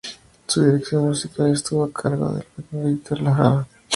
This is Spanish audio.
Su dirección musical estuvo a cargo del cantautor Víctor Jara.